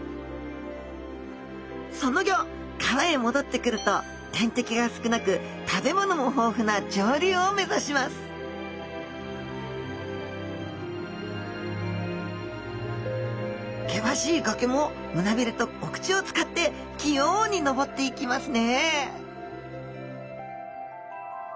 その後川へ戻ってくると天敵が少なく食べ物も豊富な上流を目指します険しい崖も胸びれとお口を使って器用に登っていきますね